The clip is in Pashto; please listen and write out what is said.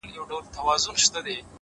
ته لږه ایسته سه چي ما وویني،